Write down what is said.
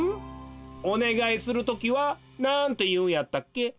おねがいするときはなんていうんやったっけ？